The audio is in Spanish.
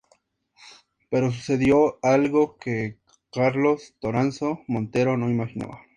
Pero sucedió algo que Carlos Toranzo Montero no imaginaba.